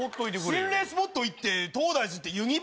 心霊スポット行って東大寺行ってユニバ？